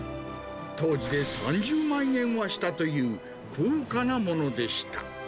当時で３０万円はしたという、高価なものでした。